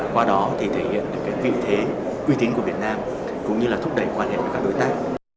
qua đó thể hiện vị thế quy tín của việt nam cũng như thúc đẩy quan hệ với các đối tác